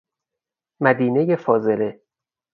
مدینه فاضله